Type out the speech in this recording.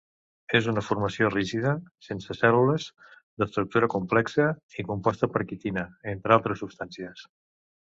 És una formació rígida, sense cèl·lules, d'estructura complexa i composta per quitina, entre altres substàncies.